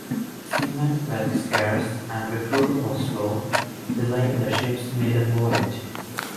Seamen were scarce and recruiting was slow, delaying the ship's maiden voyage.